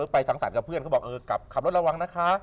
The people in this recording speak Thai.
สังสรรค์กับเพื่อนเขาบอกเออกลับขับรถระวังนะคะ